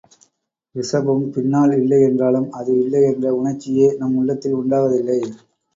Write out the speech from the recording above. ரிஷபம் பின்னால் இல்லை என்றாலும் அது இல்லை என்ற உணர்ச்சியே நம் உள்ளத்தில் உண்டாவதில்லை.